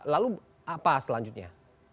lalu apa selanjutnya